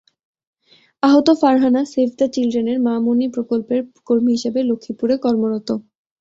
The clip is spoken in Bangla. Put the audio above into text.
আহত ফারহানা সেভ দ্য চিলড্রেনের মা-মণি প্রকল্পের কর্মী হিসেবে লক্ষ্মীপুরে কর্মরত।